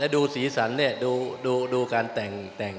ดูสีสันดูการแต่ง